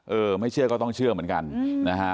เออไม่เชื่อก็ต้องเชื่อเหมือนกันนะฮะ